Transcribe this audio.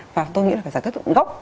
và tôi nghĩ là phải giải thích tận gốc